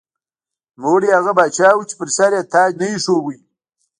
نوموړی هغه پاچا و چې پر سر یې تاج نه ایښوده.